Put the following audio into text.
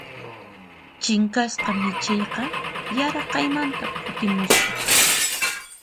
Chinkasqa michiyqa yaraqaymanta kutimusqa.